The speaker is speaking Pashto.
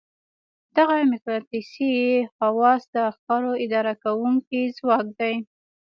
دغه مقناطيسي خواص د افکارو اداره کوونکی ځواک دی.